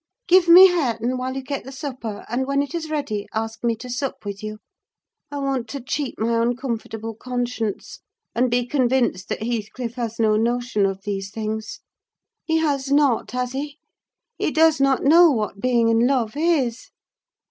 "Give me Hareton, while you get the supper, and when it is ready ask me to sup with you. I want to cheat my uncomfortable conscience, and be convinced that Heathcliff has no notion of these things. He has not, has he? He does not know what being in love is!"